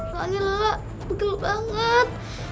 lagi lelah betul banget